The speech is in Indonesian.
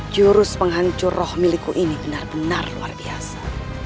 jurus penghancur roh milikku ini benar benar luar biasa